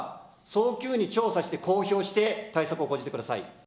早急に調査して、公表して、対策を講じてください。